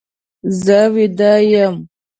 زه ویده یم.